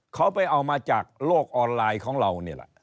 เขาไปเอามาจากโลกออนไลน์ของเรา